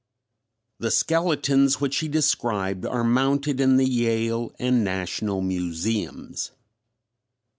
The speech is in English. The skeletons which he described are mounted in the Yale and National Museums.